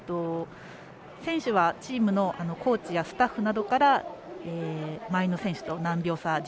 選手はチームのコーチやスタッフなどから前の選手と何秒差